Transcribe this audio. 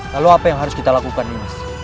lalu apa yang harus kita lakukan nih mas